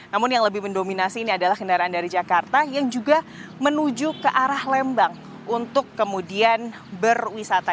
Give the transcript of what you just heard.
namun yang lebih mendominasi ini adalah kendaraan dari jakarta yang juga menuju ke arah lembang untuk kemudian berwisata